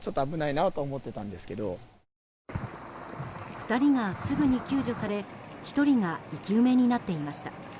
２人がすぐに救助され、１人が生き埋めになっていました。